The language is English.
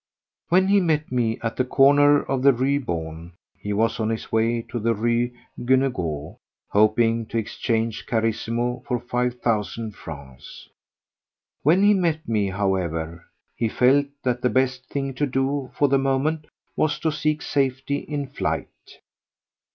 When he met me at the corner of the Rue Beaune he was on his way to the Rue Guénégaud, hoping to exchange Carissimo for five thousand francs. When he met me, however, he felt that the best thing to do for the moment was to seek safety in flight.